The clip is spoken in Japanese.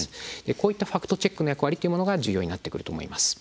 こういったファクトチェックの役割というものが重要になってくると思います。